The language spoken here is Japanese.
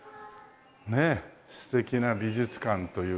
ねえ素敵な美術館という事で。